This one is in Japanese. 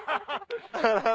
ハハハ！